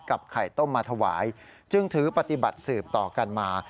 ไข่ต้มมาถวายจึงถือปฏิบัติสืบต่อกันมา